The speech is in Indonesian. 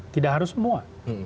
tidak harus semua